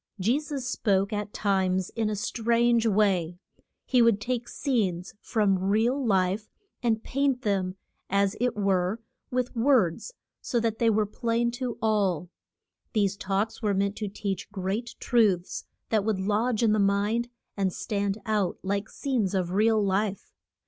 Je sus spoke at times in a strange way. He would take scenes from real life and paint them, as it were, with words, so that they were plain to all. These talks were meant to teach great truths that would lodge in the mind, and stand out like scenes of real life.